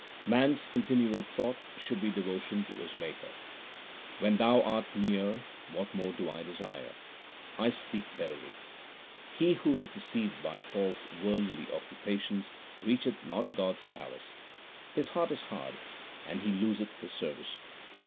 Man s continual thought should be devotion to his Maker : When Thou art near, what more do I desire ? I speak verily. He who is deceived by false worldly occupations reach eth not God s palace : His heart is hard and he loseth his service.